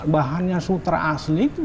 bahannya sutra asli itu